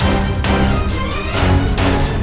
aku akan mencari makanan yang lebih enak